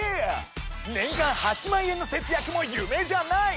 年間８万円の節約も夢じゃない！